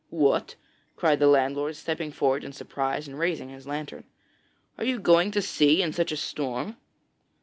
'What!' cried the landlord, stepping forward in surprise, and raising his lantern. 'Are you going to sea in such a storm?'